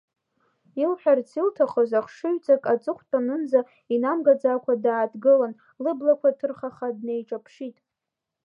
Илҳәарц илҭахыз ахшыҩҵак аҵыхәтәанынӡа инамгаӡакәа дааҭгылан, лыблақәа ҭырхаха днеиҿаԥшит.